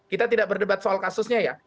kita tidak berdebat soal kasusnya ya